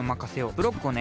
ブロックをね